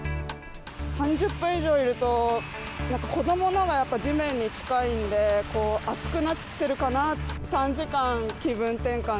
３０分以上いると、なんか子どものがやっぱ地面に近いんで、暑くなってるかなと。